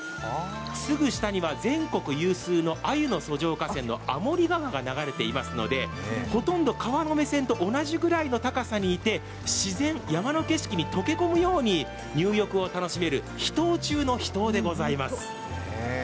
すぐ下には全国有数の鮎の遡上河川の天降川が流れていますのでほとんど川の目線と同じくらいの高さにいて自然山の景色に溶け込むように入浴を楽しめる秘湯中の秘湯でございます。